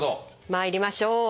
まいりましょう。